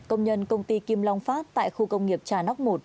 công nhân công ty kim long phát tại khu công nghiệp trà nóc một